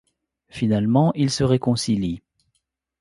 Finalement, ils se réconcilient.